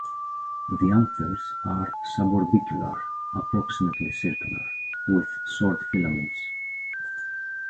The anthers are suborbicular (approximately circular) with short filaments.